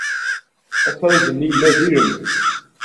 Afrag-nni yella d ilem.